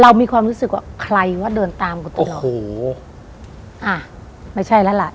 เรามีความรู้สึกว่าใครว่าเดินตามกว่าตัวเนี้ยโอ้โหอ่าไม่ใช่แล้วล่ะ